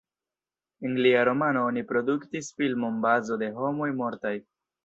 El lia romano oni produktis filmon Bazo de homoj mortaj.